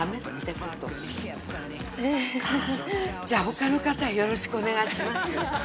じゃあ他の方よろしくお願いします。